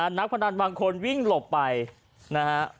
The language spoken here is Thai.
นักพนันบางคนวิ่งหลบไปนะฮะ